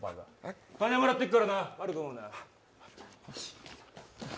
金もらってくからな悪く思うな。